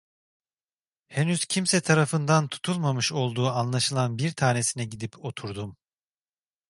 Henüz kimse tarafından tutulmamış olduğu anlaşılan bir tanesine gidip oturdum.